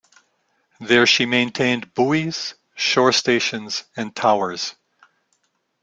There she maintained buoys, shore stations, and towers.